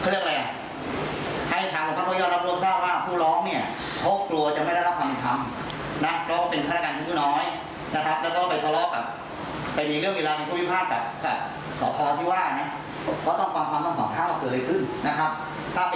เราก็ว่าไปตามส่วนวงการนะครับ